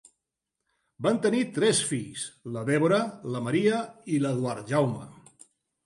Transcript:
Van tenir tres fills, la Deborah, la Maria i l'Eduard Jaume.